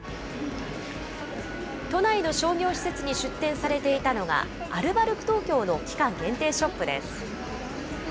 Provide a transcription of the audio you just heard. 都内の商業施設に出展されていたのが、アルバルク東京の期間限定ショップです。